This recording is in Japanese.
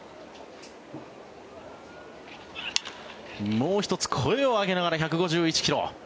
もう１つ、声を上げながら１５１ｋｍ。